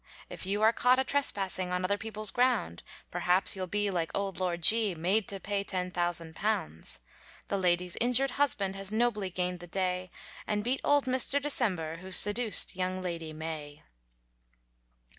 If you are caught a trespassing On other people's ground, Perhaps you'll be like old Lord G Made to pay ten thousand pounds. The lady's injured husband, Has nobly gained the day, And beat old Mr December, Who seduced young Lady May.